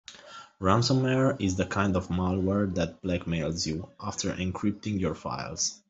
Ransomware is the kind of malware that blackmails you after encrypting your files.